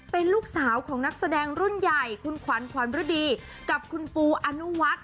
เป็นลูกสาวของนักแสดงรุ่นใหญ่คุณขวัญขวัญฤดีกับคุณปูอนุวัฒน์